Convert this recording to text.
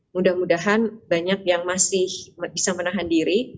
mudah mudahan banyak yang masih bisa menahan diri